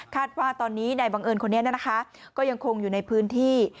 ว่าตอนนี้นายบังเอิญคนนี้นะคะก็ยังคงอยู่ในพื้นที่